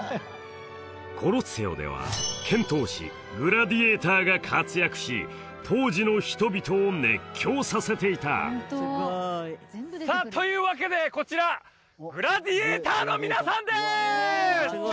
コロッセオではが活躍し当時の人々を熱狂させていたさあというわけでこちらグラディエーターの皆さんです